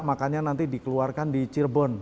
makanya nanti dikeluarkan di cirebon